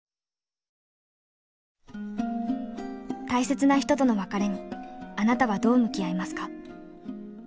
大切な人との別れにあなたはどう向き合いますか？